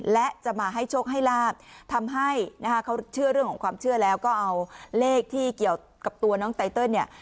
และจะมาให้โชคให้ลาบทำให้นะคะเขาเชื่อเรื่องของความเชื่อแล้วก็เอาเลขที่เกี่ยวกับตัวน้องไตเติลเนี่ย